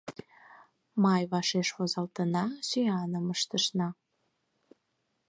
Май вашеш возалтна, сӱаным ыштышна.